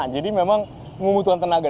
jadi memang membutuhkan tenaga